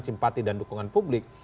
simpati dan dukungan publik